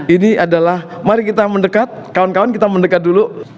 ini adalah mari kita mendekat kawan kawan kita mendekat dulu